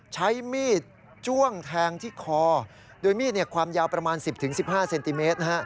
ใช้มีดจ้วงแทงที่คอโดยมีดความยาวประมาณ๑๐๑๕เซนติเมตร